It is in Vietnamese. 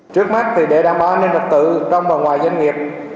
trước mắt thì để đảm bảo an ninh trật tự trong và ngoài doanh nghiệp